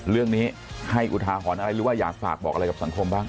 เรื่องนี้ให้อุทาหรณ์อะไรหรือว่าอยากฝากบอกอะไรกับสังคมบ้าง